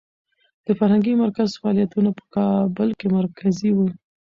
د فرهنګي مرکز فعالیتونه په کابل کې مرکزي و.